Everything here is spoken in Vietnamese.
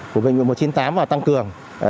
của bệnh viện một trăm chín mươi tám và tăng cường